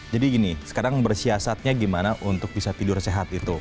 gini sekarang bersiasatnya gimana untuk bisa tidur sehat itu